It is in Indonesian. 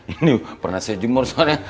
ini pernah saya jemur soalnya